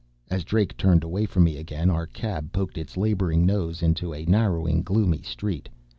As Drake turned away from me again, our cab poked its laboring nose into a narrowing, gloomy street.